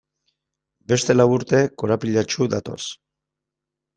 Beste lau urte korapilatsu datoz.